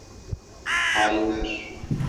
Hainler!